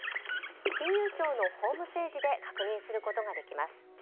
金融庁のホームページで確認することができます。